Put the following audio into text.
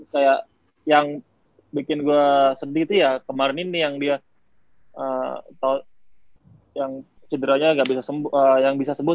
kayak yang bikin gue sedih tuh ya kemarin ini yang dia cedera nya yang bisa sembuh